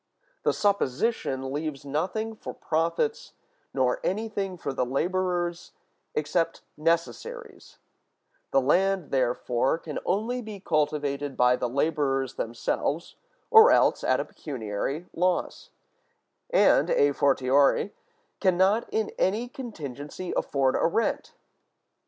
The supposition leaves nothing for profits, nor anything for the laborers except necessaries: the land, therefore, can only be cultivated by the laborers themselves, or else at a pecuniary loss; and, a fortiori, can not in any contingency afford a rent.